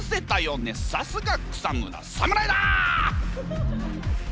さすが草村侍だ！